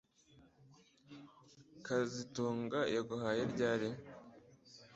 kazitunga yaguhaye ryari